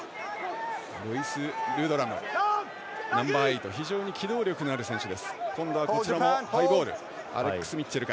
ルドラム、ナンバーエイト非常に機動力のある選手。